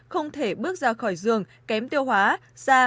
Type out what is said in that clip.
không thể bước ra khỏi giường kém tiêu hóa da